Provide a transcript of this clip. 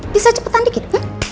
bisa cepetan dikit